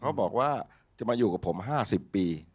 เขาบอกว่าจะมาอยู่กับผม๕๐ปี